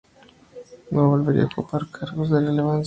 No volvería ocupar cargos de relevancia.